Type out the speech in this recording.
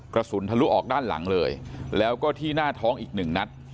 กระสุนทะลุออกด้านหลังเลยแล้วก็ที่หน้าท้องอีกหนึ่งนัด